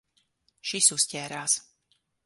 Šis uzķērās.